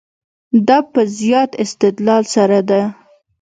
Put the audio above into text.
دا په زیات استدلال سره ده.